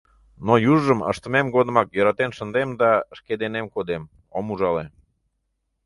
Но южыжым ыштымем годымак йӧратен шындем да шке денем кодем, ом ужале.